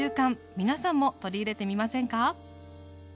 皆さんも取り入れてみませんか？